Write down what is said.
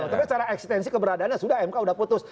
tapi secara eksistensi keberadaannya sudah mk sudah putus